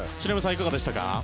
いかがでしたか？